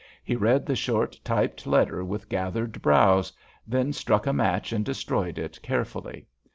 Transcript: He read the short, typed letter with gathered brows, then struck a match and destroyed it carefully.